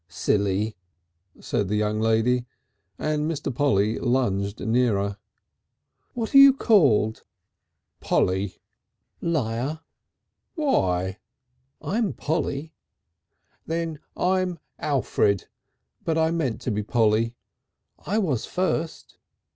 "Silly," said the young lady, and Mr. Polly lunged nearer. "What are you called?" "Polly." "Liar!" "Why?" "I'm Polly." "Then I'm Alfred. But I meant to be Polly." "I was first."